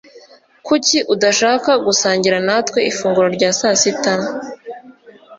Kuki udashaka gusangira natwe ifunguro rya sasita?